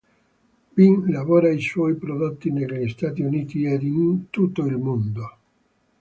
Bean lavora i suoi prodotti negli Stati Uniti ed in tutto il mondo.